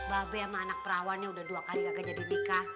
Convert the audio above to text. mbak be sama anak perawannya udah dua kali kagak jadi nikah